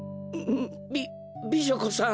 び美女子さん。